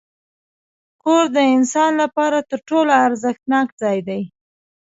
کور د انسان لپاره تر ټولو ارزښتناک ځای دی.